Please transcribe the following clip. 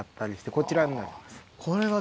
こちらになります。